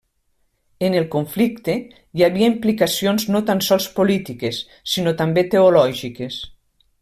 En el conflicte, hi havia implicacions no tan sols polítiques, sinó també teològiques.